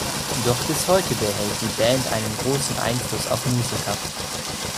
Doch bis heute behält die Band einen großen Einfluss auf Musiker.